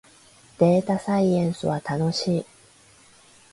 データサイエンスは楽しい